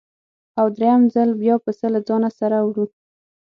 او درېیم ځل بیا پسه له ځانه سره وړو.